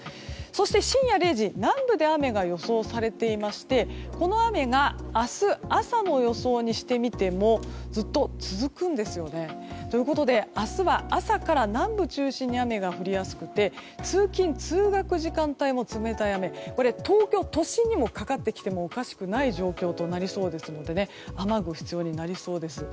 そして深夜０時南部で雨が予想されていましてこの雨が明日朝の予想にしてみてもずっと続くんですよね。ということで明日は朝から南部中心に雨が降りやすくて通勤・通学時間帯も冷たい雨、東京都心にもかかってきてもおかしくない状況となりそうですので雨具必要になりそうです。